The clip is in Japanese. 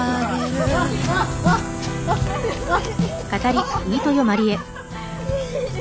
あっ。